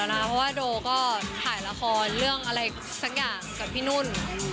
เพราะว่าโดก็ถ่ายละครเรื่องอะไรสักอย่างกับพี่นุ่น